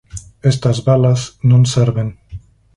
Estas balas non serven.